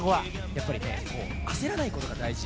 やっぱり焦らないことが大事。